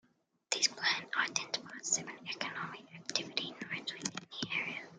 This plan identifies seven economic activity nodes within the area.